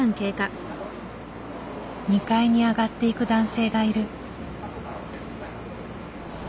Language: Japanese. ２階に上がっていく男性がいる。